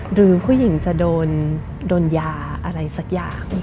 หรือผู้หญิงจะโดนยาอะไรสักอย่าง